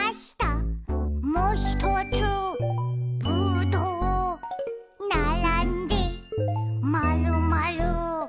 「もひとつぶどう」「ならんでまるまる」